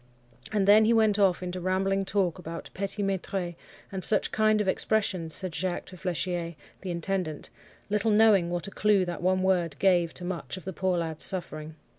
And then he went off into rambling talk about petit maitres, and such kind of expressions, said Jacques to Flechier, the intendant, little knowing what a clue that one word gave to much of the poor lad's suffering.